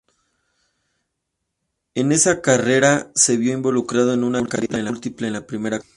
En esa carrera se vio involucrado en una caída múltiple en la primera curva.